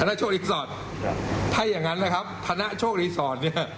ธนชกรีสอร์ตถ้าอย่างนั้นนะครับธนชกรีสอร์ต